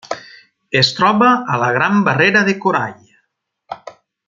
Es troba a la Gran Barrera de Corall.